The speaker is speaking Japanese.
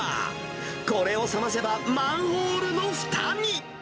これを冷ませば、マンホールのふたに。